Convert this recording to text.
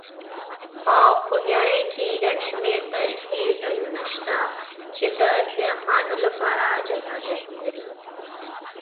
په خوږیاڼي کې ګڼ شمېر تاریخي ځایونه شته چې د سیاحانو لپاره جذابیت لري.